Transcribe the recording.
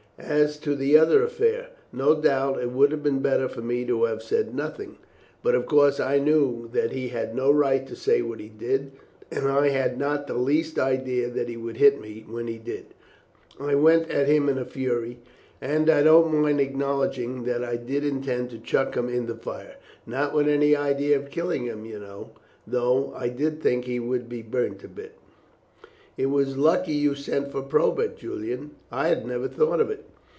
As to the other affair, no doubt it would have been better for me to have said nothing, but of course I knew that he had no right to say what he did, and I had not the least idea that he would hit me; when he did, I went at him in a fury, and I don't mind acknowledging that I did intend to chuck him in the fire not with any idea of killing him, you know, though I did think he would be burnt a bit." "It was lucky you sent for Probert, Julian; I had never thought of it."